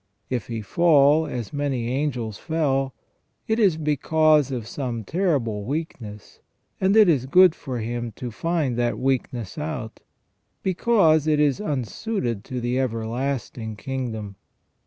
If he fall, as many angels fell, it is because of some terrible weakness, and it is good for him to find that weakness out, because it is unsuited to the everlasting king dom.